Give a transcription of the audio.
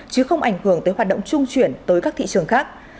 chứ không ảnh hưởng tới hoạt động trung chuyển tới các thị trường khác